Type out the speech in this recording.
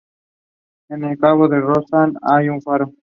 En el cabo de Ronsard hay un faro.